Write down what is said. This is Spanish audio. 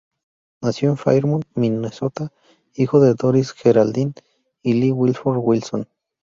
Nació en Fairmont, Minnesota, hijo de Doris Geraldine y Lee Wilford Willson.